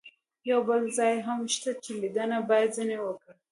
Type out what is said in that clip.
یو بل ځای هم شته چې لیدنه باید ځنې وکړم.